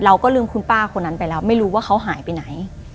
เราก็ลืมคุณป้าคนนั้นไปแล้วไม่รู้ว่าเขาหายไปไหน